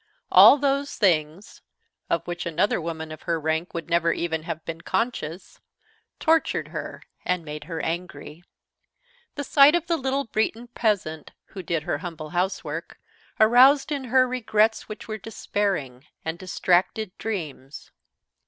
All those things, of which another woman of her rank would never even have been conscious, tortured her and made her angry. The sight of the little Breton peasant who did her humble housework aroused in her regrets which were despairing, and distracted dreams.